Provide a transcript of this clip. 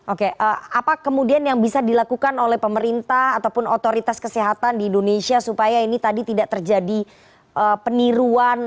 oke apa kemudian yang bisa dilakukan oleh pemerintah ataupun otoritas kesehatan di indonesia supaya ini tadi tidak terjadi peniruan